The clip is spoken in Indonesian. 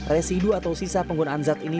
residu atau sisa penggunaan zat ini